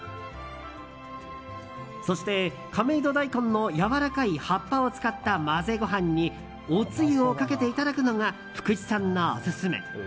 そして、亀戸大根のやわらかい葉っぱを使った混ぜご飯におつゆをかけていただくのが福地さんのオススメ。